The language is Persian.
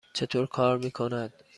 چطور کار می کند؟